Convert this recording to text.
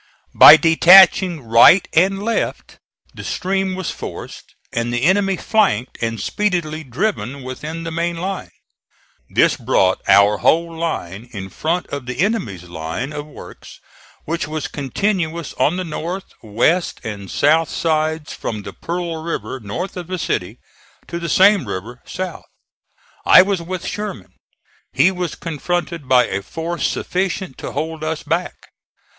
By detaching right and left the stream was forced and the enemy flanked and speedily driven within the main line. This brought our whole line in front of the enemy's line of works, which was continuous on the north, west and south sides from the Pearl River north of the city to the same river south. I was with Sherman. He was confronted by a force sufficient to hold us back.